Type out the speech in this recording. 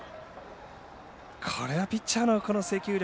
これはピッチャーの制球力。